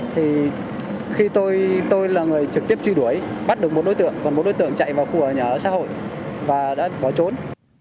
thì khi tôi là người trực tiếp truy đuổi bắt được một đối tượng còn bốn đối tượng chạy vào khu ở nhà ở xã hội và đã bỏ trốn